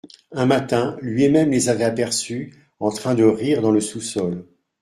Un matin, lui-même les avait aperçus en train de rire dans le sous-sol.